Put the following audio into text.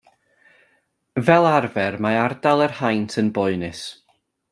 Fel arfer mae ardal yr haint yn boenus.